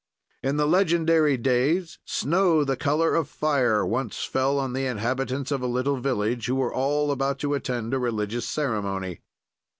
"In the legendary days, snow the color of fire once fell on the inhabitants of a little village, who were all about to attend a religious ceremony.